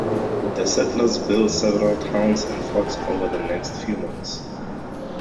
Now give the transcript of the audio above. The settlers built several towns and forts over the next few months.